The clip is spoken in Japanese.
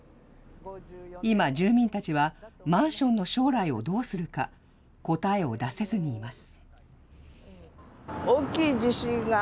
今、住民たちはマンションの将来をどうするか、答えを出せずにいます。